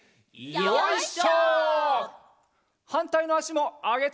よいしょ！